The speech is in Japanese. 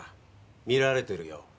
見られてるよ。